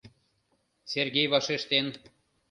— Сергей вашештен.